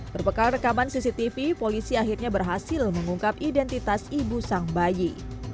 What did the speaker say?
berbekal rekaman cctv polisi akhirnya berhasil mengungkap identitas ibu sang bayi